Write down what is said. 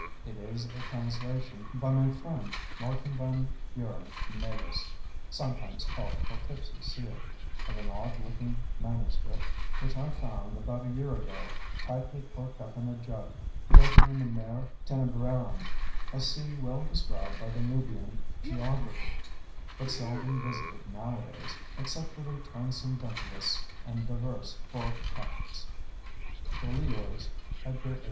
It is a translation, by my friend, Martin Van Buren Mavis, (sometimes called the "Poughkeepsie Seer") of an odd looking MS. which I found, about a year ago, tightly corked up in a jug floating in the Mare Tenebrarum—a sea well described by the Nubian geographer, but seldom visited now a days, except for the transcendentalists and divers for crotchets. Truly yours, EDGAR A.